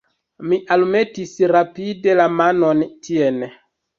Mi almetis rapide la manon tien.